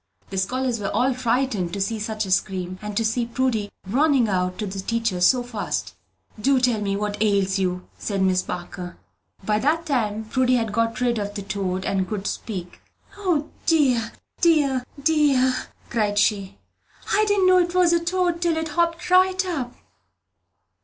The scholars were all frightened to hear such a scream, and to see Prudy running out to the teacher so fast. "Do tell me what ails you?" said Miss Parker. By that time Prudy had got rid of the toad, and could speak. "O, dear, dear, dear," cried she, "I didn't know it was a toad till it hopped right up!"